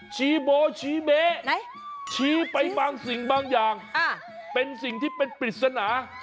ชี้โบชี้เบ๊ชี้ไปบางสิ่งบางอย่างเป็นสิ่งที่เป็นปริศนา